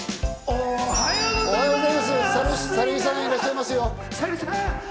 おはようございます！